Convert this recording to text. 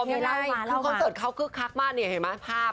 คือคอนเสิร์ตเค้าคลักมากเห็นไหมภาพ